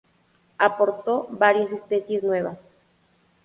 Aportó varias especies nuevas.